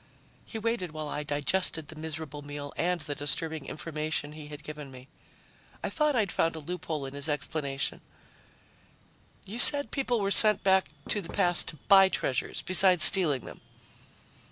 He waited while I digested the miserable meal and the disturbing information he had given me. I thought I'd found a loophole in his explanation: "You said people were sent back to the past to buy treasures, besides stealing them."